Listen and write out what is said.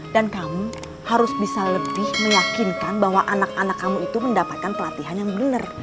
dan kamu harus bisa lebih meyakinkan bahwa anak anak kamu itu mendapatkan pelatihan yang bener